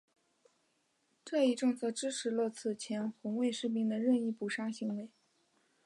这一政策支持了此前红卫兵的任意扑杀行为。